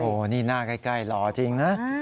โอ้โหนี่หน้าใกล้หล่อจริงนะ